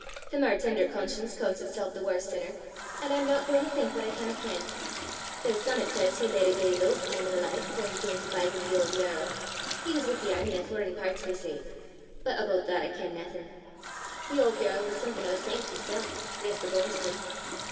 the mair ten'er conscience coonts itsel' the waur sinner; an' I'm no gaein' to think what I canna ken! There's some 'at says he led a gey lowse kin' o' a life afore he cam to bide wi' the auld yerl; he was wi' the airmy i' furreign pairts, they say; but aboot that I ken naething. The auld yerl was something o' a sanct himsel', rist the banes o' 'im!